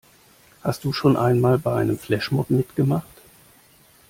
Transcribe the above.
Hast du schon einmal bei einem Flashmob mitgemacht?